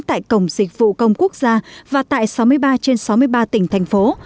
tại cổng dịch vụ công quốc gia và tại sáu mươi ba trên sáu mươi ba tỉnh thành phố